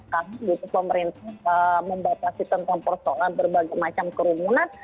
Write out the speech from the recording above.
kami pemerintah membatasi tentang persoalan berbagai macam kerumunan